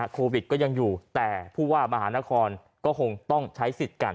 โควิดก็ยังอยู่แต่ผู้ว่ามหานครก็คงต้องใช้สิทธิ์กัน